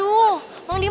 ibutan bang diman